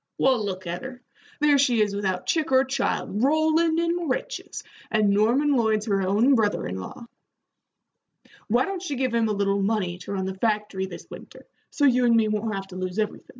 "Well, look at her. There she is without chick or child, rollin' in riches, and Norman Lloyd's her own brother in law. Why don't she give him a little money to run the factory this winter, so you and me won't have to lose everythin'?"